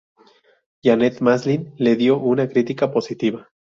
Janet Maslin, le dio una crítica positiva.